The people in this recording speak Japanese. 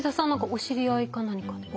お知り合いか何かで？